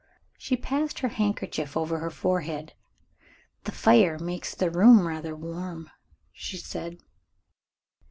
She passed her handkerchief over her forehead. "The fire makes the room rather warm," she said.